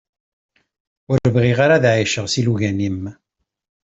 Ur bɣiɣ ara ad εiceɣ s ilugan-im